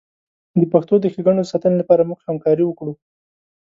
د پښتو د ښیګڼو د ساتنې لپاره موږ همکاري وکړو.